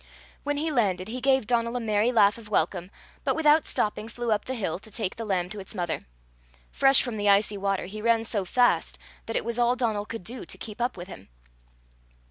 When he landed, he gave Donal a merry laugh of welcome, but without stopping flew up the hill to take the lamb to its mother. Fresh from the icy water, he ran so fast that it was all Donal could do to keep up with him.